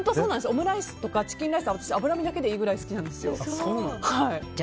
オムライスとかチキンライスは私、脂身だけでいいくらい好きなんですよ。